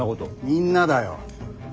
みんなだよ。